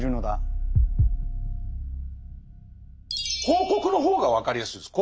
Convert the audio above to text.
広告の方が分かりやすいです。